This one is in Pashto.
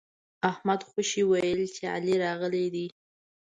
احمد خوشي ويل چې علي راغلی دی.